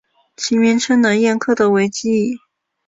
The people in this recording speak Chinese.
其名称来燕科的尾翼。